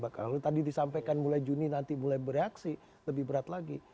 kalau tadi disampaikan mulai juni nanti mulai bereaksi lebih berat lagi